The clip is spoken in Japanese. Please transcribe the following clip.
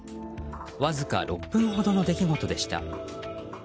わずか６分ほどの出来事でした。